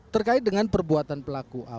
terkait dengan perbuatan pelakunya